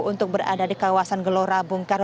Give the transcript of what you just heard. untuk berada di kawasan gelora bung karno